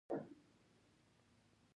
انسان ټولنه ژوند کې بدلون نه رامنځته کېږي.